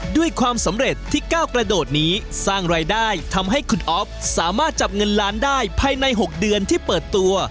ด้วยความสำเร็จที่ก้าวกระโดดนี้สร้างรายได้ทำให้คุณอ๊อฟสามารถจับเงินล้านได้ภายใน๖เดือนที่เปิดตัว